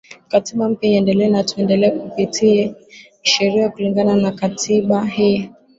katiba mpya iendelee tu tuendelea kupita sheria kulingana na katiba hii